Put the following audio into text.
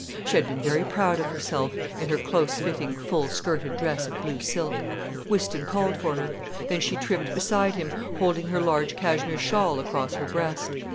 She had been very proud of herself, in her close fitting, full skirted dress of blue silk. Whiston called for her. Then she tripped beside him, holding her large cashmere shawl across her breast.